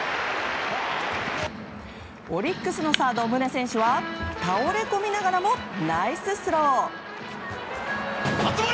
オリックスのサード宗選手は倒れこみながらもナイススロー！